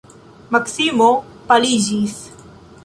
Maksimo paliĝis.